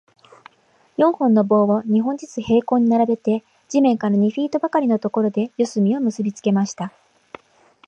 四本の棒を、二本ずつ平行に並べて、地面から二フィートばかりのところで、四隅を結びつけました。